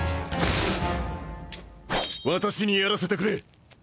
私にやらせてくれ。